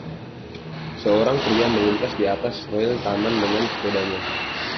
Seorang pria melintas di atas rail taman dengan sepedanya.